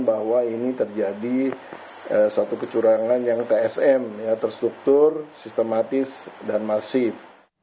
bahwa ini terjadi suatu kecurangan yang tsm terstruktur sistematis dan masif